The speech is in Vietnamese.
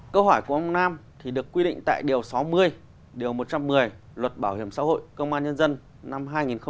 câu hỏi của ông nam được quy định tại điều sáu mươi điều một trăm một mươi luật bảo hiểm xã hội công an nhân dân năm hai nghìn một mươi ba